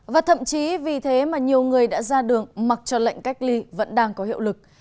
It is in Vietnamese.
và thậm chí vì thế mà nhiều người đã ra đường mặc cho lệnh cách ly vẫn đang có hiệu lực